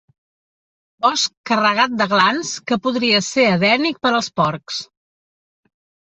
Bosc carregat de glans que podria ser edènic per als porcs.